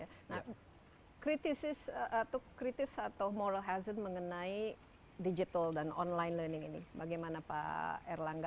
nah kritis atau moral hazard mengenai digital dan online learning ini bagaimana pak erlangga